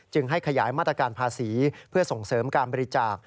ให้ขยายมาตรการภาษีเพื่อส่งเสริมการบริจาค